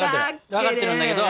分かってるんだけど。